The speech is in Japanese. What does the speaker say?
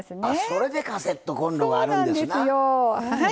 それでカセットコンロがあるんですな。